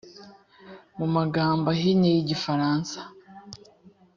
mu magambo ahinnye y igifaransa